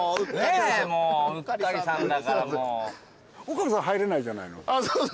岡部さん入れないじゃないの。